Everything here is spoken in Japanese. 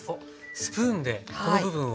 スプーンでこの部分を？